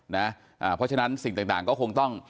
เพราะฉะนั้นสิ่งต่างก็คงต้อง